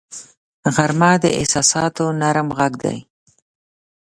غرمه د احساساتو نرم غږ دی